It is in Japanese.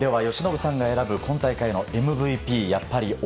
では由伸さんが選ぶ今大会のＭＶＰ